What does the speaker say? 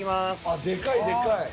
あっでかいでかい。